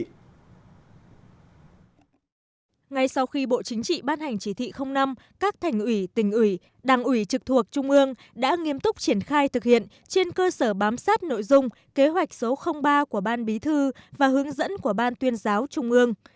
ngay sau khi bộ chính trị ban hành chỉ thị năm các thành ủy tỉnh ủy đảng ủy trực thuộc trung ương đã nghiêm túc triển khai thực hiện trên cơ sở bám sát nội dung kế hoạch số ba của ban bí thư và hướng dẫn của ban tuyên giáo trung ương